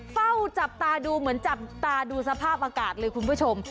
เฝ้าจับตาดูเหมือนจับตาดูสภาพอากาศเลยคุณผู้ชม